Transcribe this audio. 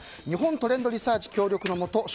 日本トレンドリサーチ協力のもと